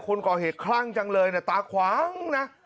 คนก่อเหตุคลั่งจังเลยนะตาขวางนะ